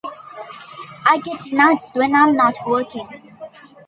I get nuts when I'm not working.